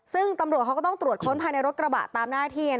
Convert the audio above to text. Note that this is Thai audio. ซึ่งตำรวจเขาก็ต้องตรวจค้นภายในรถกระบะตามหน้าที่